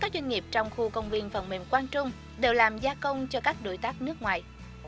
các doanh nghiệp sản xuất phần mềm tại khu công viên phần mềm quang trung đều làm gia công cho các đối tác nước ngoài